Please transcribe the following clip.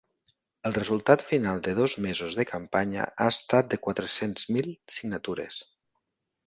El resultat final de dos mesos de campanya ha estat de quatre-cents mil signatures.